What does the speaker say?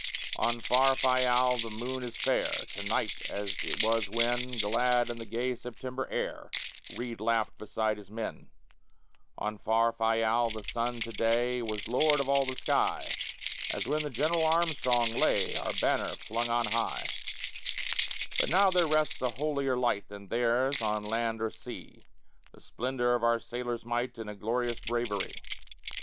On far Fayal the moon is fair To night as it was when, Glad in the gay September air, Reid laughed beside his men; On far Fayal the sun to day Was lord of all the sky As when the General Armstrong lay, Our banner flung on high; But now there rests a holier light Than theirs on land or sea: The splendor of our sailors' might, And glorious bravery.